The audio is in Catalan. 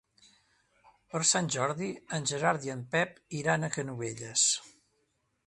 Per Sant Jordi en Gerard i en Pep iran a Canovelles.